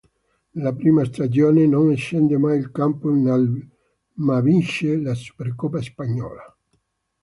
Nella prima stagione non scende mai in campo ma vince la Supercoppa spagnola.